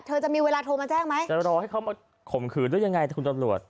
จะมีเวลาโทรมาแจ้งไหมจะรอให้เขามาข่มขืนหรือยังไงแต่คุณตำรวจ